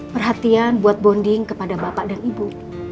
perhatian buat bonding kepada bapak dan ibu